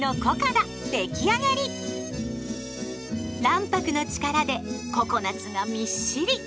卵白の力でココナツがみっしり。